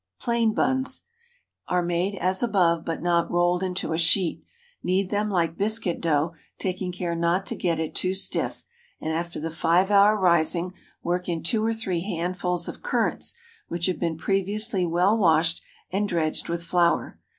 PLAIN BUNS Are made as above, but not rolled into a sheet. Knead them like biscuit dough, taking care not to get it too stiff, and after the five hour rising, work in two or three handfuls of currants which have been previously well washed and dredged with flour.